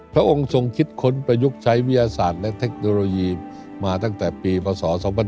พระองค์ทรงคิดค้นประยุกต์ใช้วิทยาศาสตร์และเทคโนโลยีมาตั้งแต่ปีพศ๒๕๖๒